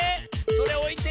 それおいて。